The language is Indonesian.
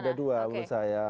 ada dua menurut saya